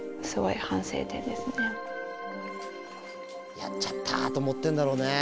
「やっちゃった」と思ってんだろうね。